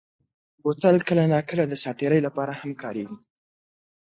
بوتل کله ناکله د ساعت تېرۍ لپاره هم کارېږي.